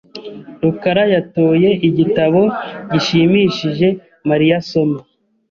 rukara yatoye igitabo gishimishije Mariya asoma .